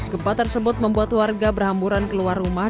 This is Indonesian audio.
gempa tersebut membuat warga berhamburan keluar rumah